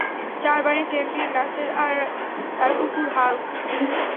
চার বারের champion Nasser আর তার কুকুর হাল্ক।